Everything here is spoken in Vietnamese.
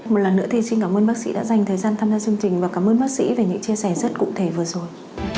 một lần nữa thì xin cảm ơn bác sĩ đã dành thời gian tham gia chương trình và cảm ơn bác sĩ về những chia sẻ rất cụ thể vừa rồi